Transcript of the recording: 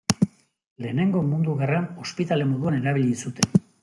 Lehenengo Mundu Gerran ospitale moduan erabili zuten.